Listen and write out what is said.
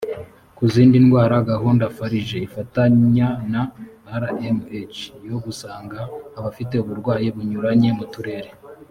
ku zindi ndwara gahunda farg ifatanya na rmh yo gusanga abafite uburwayi bunyuranye mu turere